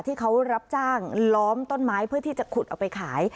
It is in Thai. ที่เขารับจ้างล้อมต้นไม้เพื่อที่จะขุดเอาไปขาย